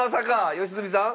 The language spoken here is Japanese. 良純さん？